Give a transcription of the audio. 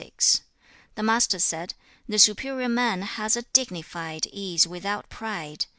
The Master said, 'The superior man has a dignified ease without pride.